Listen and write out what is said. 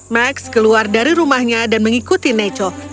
max keluar dari rumahnya dan mengikuti neco